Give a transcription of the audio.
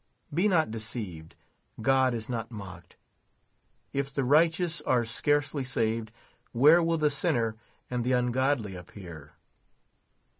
Be not deceived, God is not mocked. If the righteous are scarcely saved, where will the sinner and the ungodly appear?